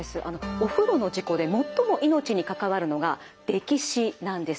お風呂の事故で最も命に関わるのが溺死なんです。